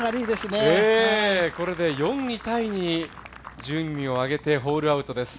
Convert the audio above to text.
これで４位タイに順位を上げてホールアウトです。